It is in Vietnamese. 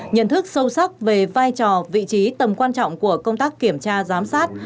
nhận thức sâu sắc về vai trò vị trí tầm quan trọng của công tác kiểm tra giám sát